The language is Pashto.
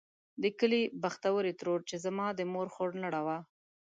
د کلي بختورې ترور چې زما مور خورلڼه وه.